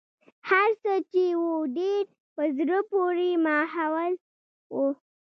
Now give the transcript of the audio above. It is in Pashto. هرڅه چې و ډېر په زړه پورې ماحول و.